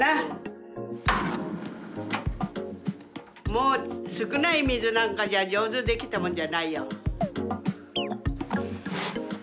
もう少ない水なんかじゃ上手にできたもんじゃないよ。